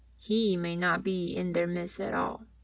He may not be in their midst at all.